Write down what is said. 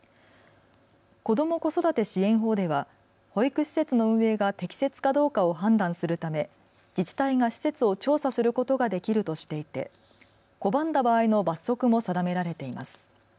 子ども・子育て支援法では保育施設の運営が適切かどうかを判断するため自治体が施設を調査することができるとしていて拒んだ場合の罰則も定められています。